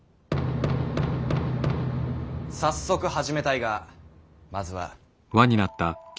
早速始めたいがまずは。